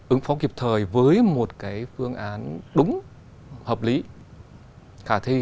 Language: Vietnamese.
ứng phó kịp thời với một phương án đúng hợp lý khả thi